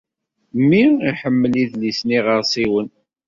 Mmi iḥemmel idlisen n yiɣersiwen.